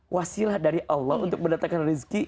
wasilah dari allah untuk mendatangkan rezeki